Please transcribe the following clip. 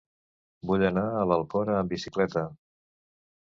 Vull anar a l'Alcora amb bicicleta.